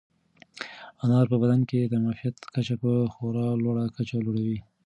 انار په بدن کې د معافیت کچه په خورا لوړه کچه لوړوي.